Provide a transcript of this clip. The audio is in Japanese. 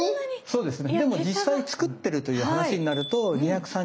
そうですね。